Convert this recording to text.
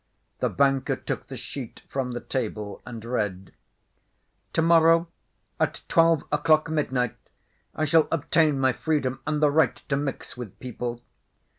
The banker took the sheet from the table and read: "To morrow at twelve o'clock midnight, I shall obtain my freedom and the right to mix with people.